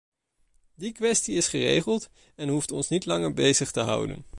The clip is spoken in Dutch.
Die kwestie is geregeld en hoeft ons niet langer bezig te houden.